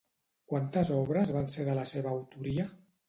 Quantes obres van ser de la seva autoria?